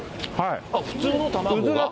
普通の卵？